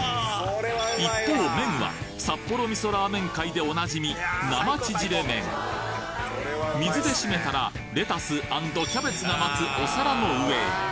一方麺は札幌味噌ラーメン界でお馴染み生縮れ麺水で締めたらレタス＆キャベツが待つお皿の上へ。